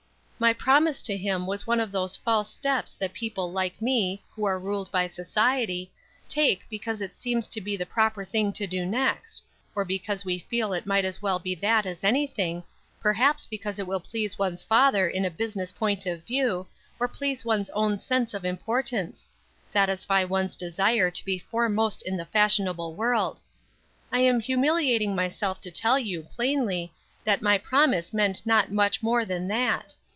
"My promise to him was one of those false steps that people like me, who are ruled by society, take because it seems to be the proper thing to do next, or because we feel it might as well be that as anything; perhaps because it will please one's father in a business point of view, or please one's own sense of importance; satisfy one's desire to be foremost in the fashionable world. I am humiliating myself to tell you, plainly, that my promise meant not much more than that.